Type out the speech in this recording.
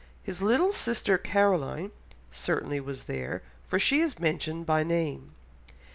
His little sister Caroline certainly was there, for she is mentioned by name.